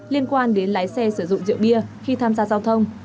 liên quan đến lái xe sử dụng rượu bia khi tham gia giao thông